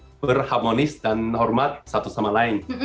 menjadi satu keluarga yang berharmonis dan hormat satu sama lain